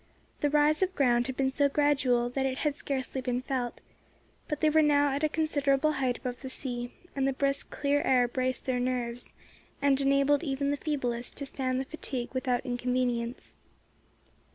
The rise of ground had been so gradual that it had scarcely been felt; but they were now at a considerable height above the sea, and the brisk clear air braced their nerves, and enabled even the feeblest to stand the fatigue without inconvenience.